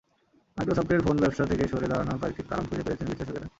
মাইক্রোসফটের ফোন ব্যবসা থেকে সরে দাঁড়ানোর কয়েকটি কারণ খুঁজে পেয়েছেন বিশ্লেষকেরা।